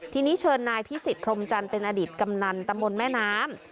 ทีนี้เชิญนายพิสิทธพรมจันทร์เป็นอดีตกำนันตำบลแม่น้ำ